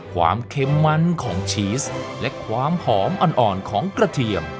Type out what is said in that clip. ความเค็มมันของชีสและความหอมอ่อนของกระเทียม